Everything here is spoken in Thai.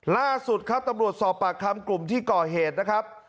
ล่าสุดครับตำรวจสอบปากคำกลุ่มที่ก่อเหตุนะครับ